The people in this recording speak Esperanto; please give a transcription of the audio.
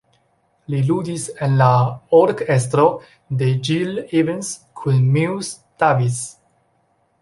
Li ludis en la orkestro de Gil Evans kun Miles Davis.